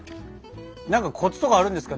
何かコツとかあるんですか？